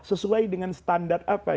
sesuai dengan standar apa